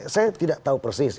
saya tidak tahu persis